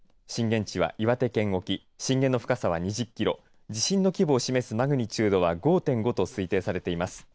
震源地は岩手県沖震源の深さは２０キロ地震の規模を示すマグニチュードは５．５と推定されています。